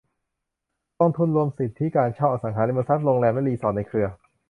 กองทุนรวมสิทธิการเช่าอสังหาริมทรัพย์โรงแรมและรีสอร์ทในเครือ